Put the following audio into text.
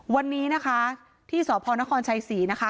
วันนี้นะคะที่สพนครชัยศรีนะคะ